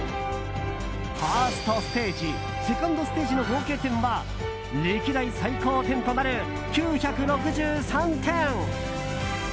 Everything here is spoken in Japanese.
ファーストステージセカンドステージの合計点は歴代最高点となる９６３点。